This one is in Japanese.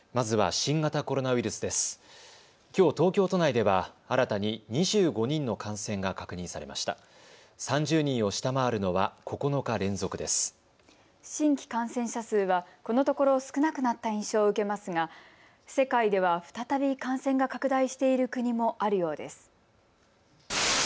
新規感染者数は、このところ少なくなった印象を受けますが世界では再び感染が拡大している国もあるようです。